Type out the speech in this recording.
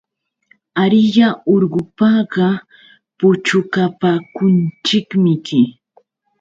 Ariyá urqupaqa puchukapakunchikmiki.